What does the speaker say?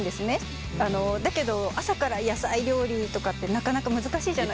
あのだけど朝から野菜料理とかってなかなか難しいじゃないですか。